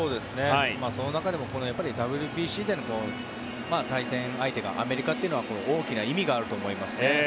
その中でもＷＢＣの対戦相手がアメリカというのは大きな意味があると思います。